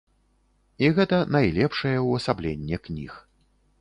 І гэта найлепшае ўвасабленне кніг.